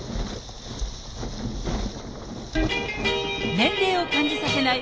年齢を感じさせない